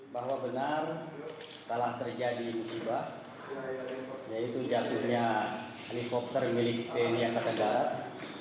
bahwa benar telah terjadi musibah yaitu jatuhnya helikopter milik tni angkatan darat